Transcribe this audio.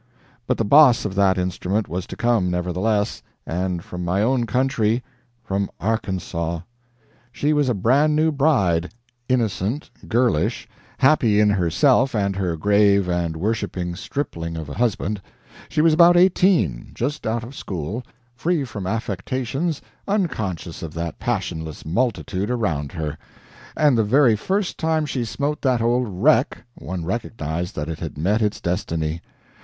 But the boss of that instrument was to come, nevertheless; and from my own country from Arkansaw. She was a brand new bride, innocent, girlish, happy in herself and her grave and worshiping stripling of a husband; she was about eighteen, just out of school, free from affectations, unconscious of that passionless multitude around her; and the very first time she smote that old wreck one recognized that it had met its destiny.